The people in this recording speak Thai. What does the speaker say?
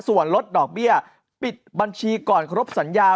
ส่วนลดดอกเบี้ยปิดบัญชีก่อนครบสัญญา